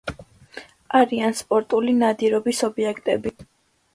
არიან სპორტული ნადირობის ობიექტები.